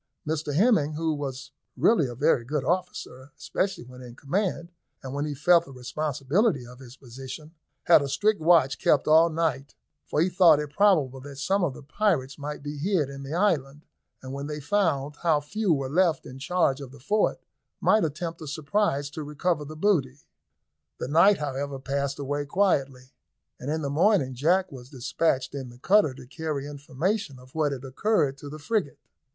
Mr Hemming, who was really a very good officer, especially when in command, and when he felt the responsibility of his position, had a strict watch kept all night, for he thought it probable that some of the pirates might be hid in the island, and, when they found how few were left in charge of the fort, might attempt a surprise to recover the booty. The night, however, passed away quietly, and in the morning Jack was despatched in the cutter to carry information of what had occurred to the frigate.